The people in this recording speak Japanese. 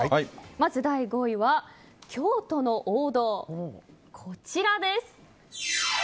まず第５位は、京都の王道こちらです。